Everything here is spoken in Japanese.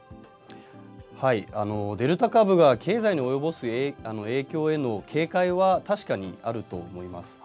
デルタ株が経済に及ぼす影響への警戒は確かにあると思います。